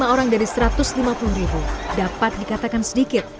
empat puluh lima orang dari satu ratus lima puluh dapat dikatakan sedikit